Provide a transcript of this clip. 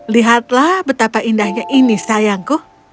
lihatlah betapa indahnya ini sayangku